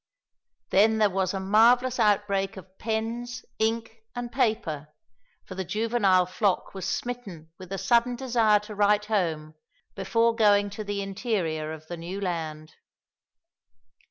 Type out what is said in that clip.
Then was there a marvellous outbreak of pens, ink, and paper, for the juvenile flock was smitten with a sudden desire to write home before going to the interior of the new land.